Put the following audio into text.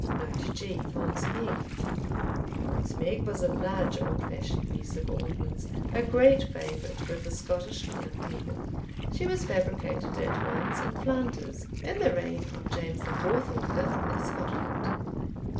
Note G. Mons Meg. Mons Meg was a large old fashioned piece of ordnance, a great favourite with the Scottish common people; she was fabricated at Mons, in Flanders, in the reign of James IV. or V. of Scotland.